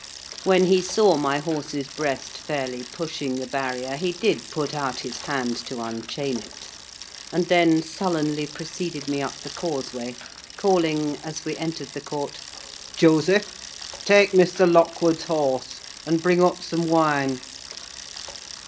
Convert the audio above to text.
When he saw my horse's breast fairly pushing the barrier, he did put out his hand to unchain it, and then sullenly preceded me up the causeway, calling, as we entered the court,—"Joseph, take Mr. Lockwood's horse; and bring up some wine."